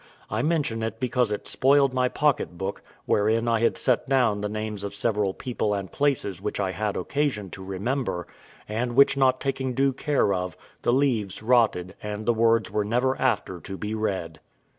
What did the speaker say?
I mention it because it spoiled my pocket book, wherein I had set down the names of several people and places which I had occasion to remember, and which not taking due care of, the leaves rotted, and the words were never after to be read.